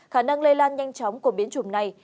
khả năng lây lan nhanh chóng của biến chủng này